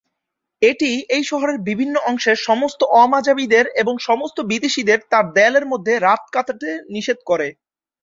এটি এই শহরের বিভিন্ন অংশের সমস্ত অ-মাজাবিদের এবং সমস্ত বিদেশীদের তার দেয়ালের মধ্যে রাত কাটাতে নিষেধ করে।